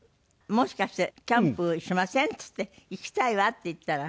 もしかして「キャンプしません？」っつって「行きたいわ」って言ったら？